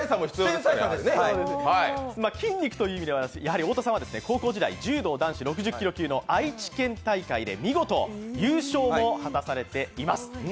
筋肉という意味では太田さんは高校時代柔道男子６０キロ級の愛知県大会で見事、優勝も果たされています。